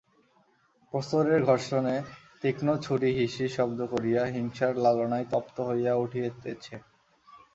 প্রস্তরের ঘর্ষণে তীক্ষ্ণ ছুরি হিস হিস শব্দ করিয়া হিংসার লালসায় তপ্ত হইয়া উঠিতেছে।